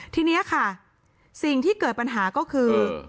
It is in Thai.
ทีนี้ค่ะสิ่งที่เกิดปัญหาก็คือ